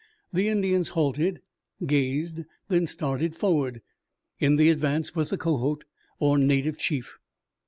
The Indians halted, gazed, then started forward. In the advance was the Kohot or native chief.